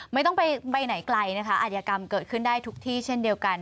ไม่ต้องไปไหนไกลนะคะอาจยกรรมเกิดขึ้นได้ทุกที่เช่นเดียวกัน